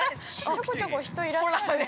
◆ちょこちょこ人いらっしゃるね。